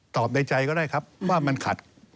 ในใจก็ได้ครับว่ามันขัด